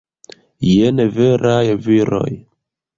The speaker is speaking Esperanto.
Jen veraj viroj!